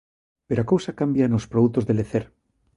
Pero a cousa cambia nos produtos de lecer.